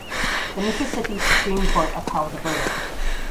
The Mississippi Supreme Court upheld the verdict.